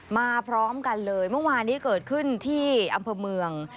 พร้อมกันเลยเมื่อวานนี้เกิดขึ้นที่อำเภอเมือง